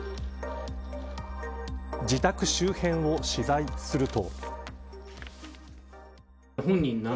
自宅周辺を取材すると。